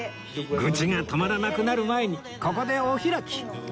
愚痴が止まらなくなる前にここでお開き